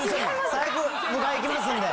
最悪迎え行きますんで。